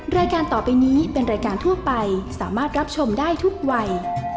รายการต่อไปนี้เป็นรายการทั่วไปสามารถรับชมได้ทุกวัย